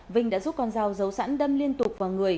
vinh đã giúp con dao giấu sẵn đâm liên tục vào người